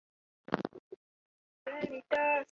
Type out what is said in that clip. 两人合作为时七年。